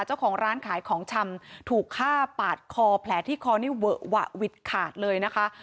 เจ้าของร้านขายของชำถูกฆ่าปาดคอแผลที่คอนี่เวอะหวะวิดขาดเลยนะคะ